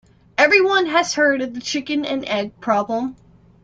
Everyone has heard of the chicken and egg problem.